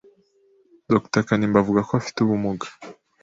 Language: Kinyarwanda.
Dr Kanimba avuga ko abafite ubumuga